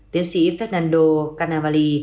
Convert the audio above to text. tiến sĩ fernando canavali